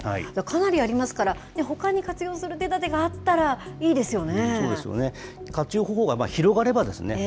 かなりありますから、ほかに活用する手だてがあったらいいですよね。